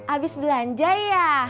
abis belanja ya